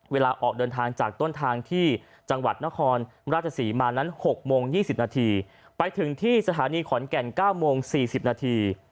เวลาออกเดินทางจากต้นทางที่จังหวัดนครราชศรีมานั้น๖โมง๒๐นาทีไปถึงที่สถานีขอนแก่น๙โมง๔๐นาที